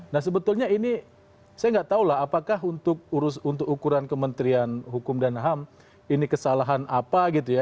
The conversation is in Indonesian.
nah sebetulnya ini saya nggak tahu lah apakah untuk ukuran kementerian hukum dan ham ini kesalahan apa gitu ya